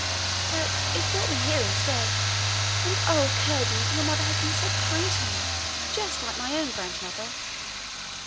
But it brought me here instead; and, oh, Curdie! your mother has been so kind to me just like my own grandmother!'